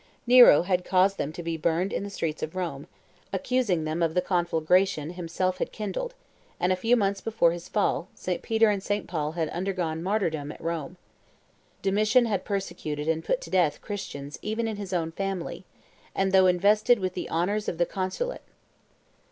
Nero had caused them to be burned in the streets of Rome, accusing them of the conflagration himself had kindled, and, a few months before his fall, St. Peter and St. Paul had undergone martyrdom at Rome. Domitian had persecuted and put to death Christians even in his own family, and though invested with the honors of the consulate.